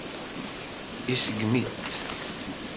Iseggem-itt.